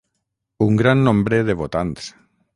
Un gran nombre de votants.